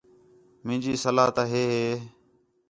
مینجی صلاح تا ہے ہے